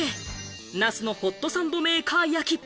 ナスのホットサンドメーカー焼き。